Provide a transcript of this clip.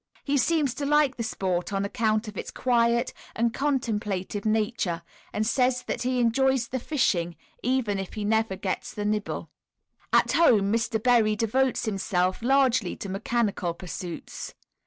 He seems to like the sport on account of its quiet and contemplative nature, and says that he enjoys the fishing even if he never gets a nibble. At home Mr. Berry devotes himself largely to mechanical pursuits.